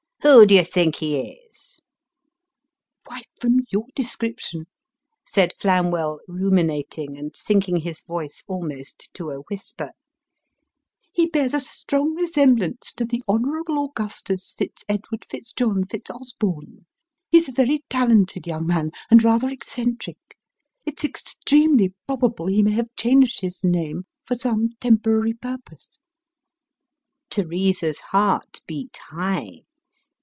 " Who d'ye think he is ?"" Why, from your description," said Flamwell, ruminating, and sinking his voice, almost to a whisper, " he bears a strong resemblance to the Honourable Augustus Fitz Edward Fitz John Fitz Osborne. He's a very talented young man, and rather eccentric. It's extremely probable he may have changed his name for some temporary purpose." Teresa's heart beat high.